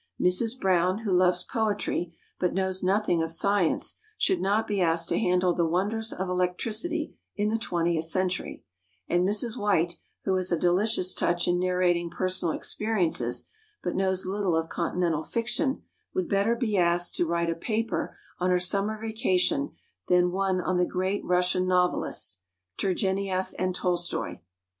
Mrs. Brown, who loves poetry, but knows nothing of science, should not be asked to handle the wonders of electricity in the twentieth century; and Mrs. White, who has a delicious touch in narrating personal experiences, but knows little of continental fiction, would better be asked to write a paper on her summer vacation than one on the great Russian novelists, Turgenieff and Tolstoi.